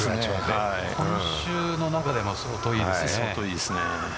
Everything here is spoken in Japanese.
今週の中でも相当いいですね。